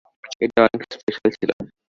এটা অনেক স্পেশাল ছিলো।